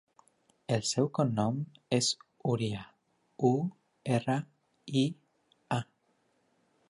El seu cognom és Uria: u, erra, i, a.